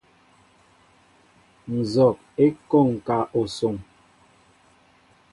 Nzog e kɔŋ ká assoŋ.